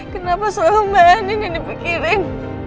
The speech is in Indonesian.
kenapa selalu mbak anin yang dipikirin